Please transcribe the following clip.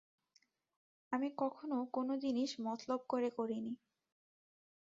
আমি কখনও কোন জিনিষ মতলব করে করিনি।